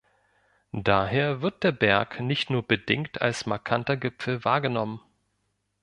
Daher wird der Berg nicht nur bedingt als markanter Gipfel wahrgenommen.